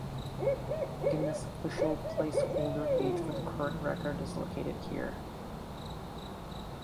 Guinness's official placeholder page for the current record is located here.